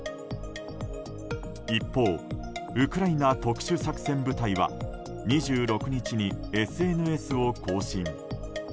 一方、ウクライナ特殊作戦部隊は２６日にＳＮＳを更新。